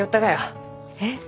えっ？